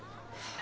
あ。